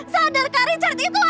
sadar kak richard itu adekku kak